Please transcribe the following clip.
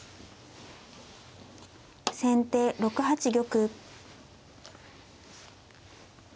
先手６八玉。